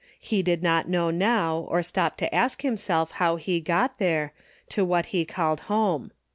He did not know now, or stop to ask himself how he got here, to what he called home.